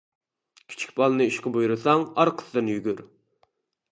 كىچىك بالنى ئىشقا بۇيرۇساڭ ئارقىسىدىن يۈگۈر.